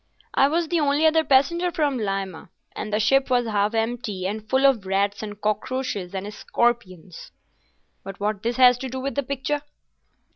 "I was the only other passenger from Lima, and the ship was half empty, and full of rats and cockroaches and scorpions." "But what has this to do with the picture?"